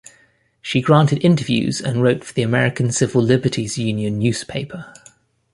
She granted interviews and wrote for the American Civil Liberties Union newspaper.